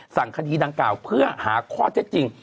สั่งคดีดังกล่าวเพื่อหาข้อเท็จจริง